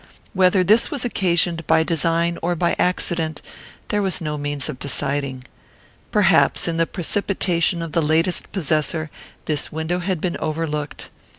Whether this was occasioned by design or by accident there was no means of deciding. Perhaps, in the precipitation of the latest possessor, this window had been overlooked.